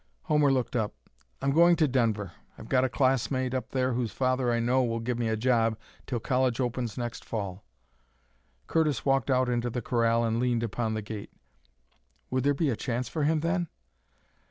Homer looked up. "I'm going to Denver. I've got a classmate up there whose father I know will give me a job till college opens next Fall." Curtis walked out into the corral and leaned upon the gate. Would there be a chance for him, then?